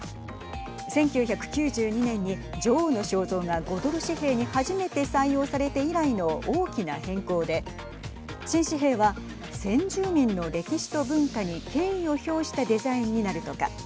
１９９２年に女王の肖像が５ドル紙幣に初めて採用されて以来の大きな変更で新紙幣は先住民の歴史と文化に敬意を表したデザインになるとか。